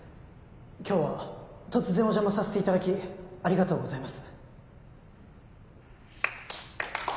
今日は突然お邪魔させていただきありがとうございます。